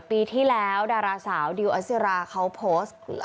ปีที่แล้วดาราสาวดิวอสิราเขาโพสต์